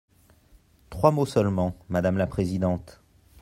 Trois mots seulement, madame la présidente.